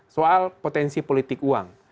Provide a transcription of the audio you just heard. soal potensi politik uang